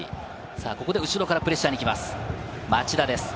ここで後ろからプレッシャーに行きます、町田です。